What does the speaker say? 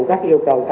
các hiệu quả